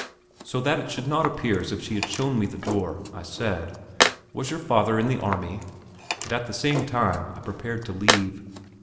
So that it should not appear as if she had shown me the door, I said: "Was your father in the army?" and at the same time I prepared to leave.